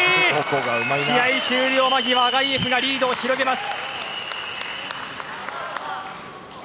試合終了間際アガイェフがリードを広げます。